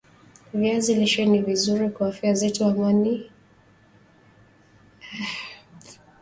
viazi lishe ni vizuri kwa afya zetu kwani vina vitamini A na virutubishi vingine